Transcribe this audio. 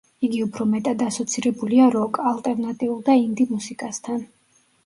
იგი უფრო მეტად ასოცირებულია როკ, ალტერნატიულ და ინდი მუსიკასთან.